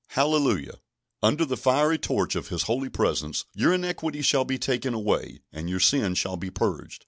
Hallelujah! Under the fiery touch of His holy presence, your iniquity shall be taken away, and your sin shall be purged.